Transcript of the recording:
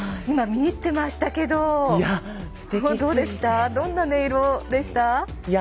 今、見入ってましたけどどんな音色でした？